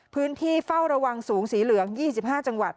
พื้นที่เฝ้าระวังสูงสีเหลือง๒๕จังหวัด